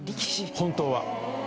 本当は。